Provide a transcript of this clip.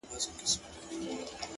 • ستا شاعري گرانه ستا اوښکو وړې؛